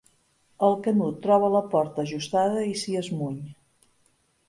El Canut troba la porta ajustada i s'hi esmuny.